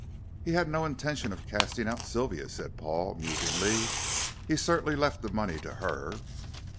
"He had no intention of casting out Sylvia," said Paul, musingly; "he certainly left the money to her."